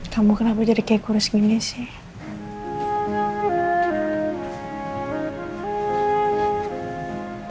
kamu kenapa jadi kayak kurus gini sih